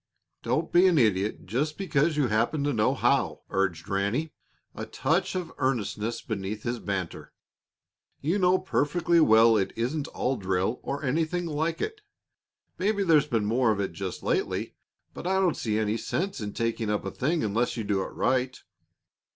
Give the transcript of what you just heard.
"Don't be an idiot just because you happen to know how," urged Ranny, a touch of earnestness beneath his banter. "You know perfectly well it isn't all drill, or anything like it. Maybe there's been more of it just lately, but I don't see any sense in taking up a thing unless you do it right.